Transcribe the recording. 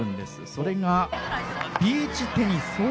それが、ビーチテニス。